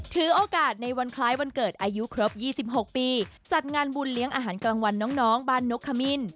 ถือโอกาสในวันคล้ายวันเกิดอายุครบ๒๖ปีจัดงานบุญเลี้ยงอาหารกลางวันน้องบ้านนกขมิ้น